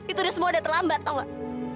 itu udah semua udah terlambat tau gak